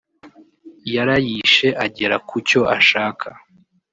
yarayishe agera ku cyo ashaka